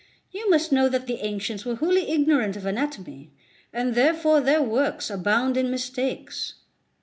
You must know that the ancients were wholly ignorant of anatomy, and therefore their works abound in mistakes."